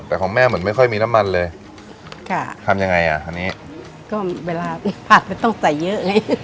แต่ของแม่เหมือนไม่ค่อยมีน้ำมันเลยค่ะทำยังไงอ่ะคราวนี้ก็เวลาผัดไม่ต้องใส่เยอะไง